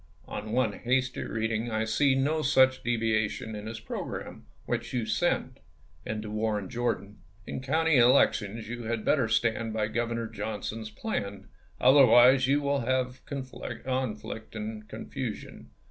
On one hasty reading I see no such deviation in his programme, which you send." And also to Warren Jordan :" In county elections you had better stand by Governor Johnson's plan; otherwise you wUl have conflict and confusion.